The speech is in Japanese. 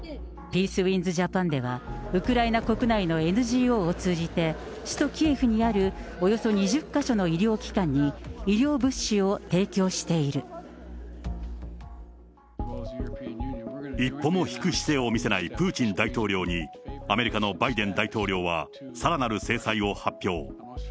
ピースウィンズ・ジャパンでは、ウクライナ国内のＮＧＯを通じて、首都キエフにあるおよそ２０か所の医療機関に、医療物資を提供し一歩も引く姿勢を見せないプーチン大統領に、アメリカのバイデン大統領はさらなる制裁を発表。